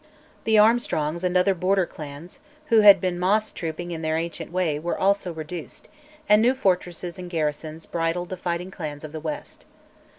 The Armstrongs and other Border clans, who had been moss trooping in their ancient way, were also reduced, and new fortresses and garrisons bridled the fighting clans of the west.